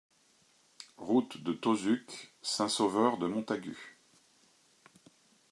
Route de Tauzuc, Saint-Sauveur-de-Montagut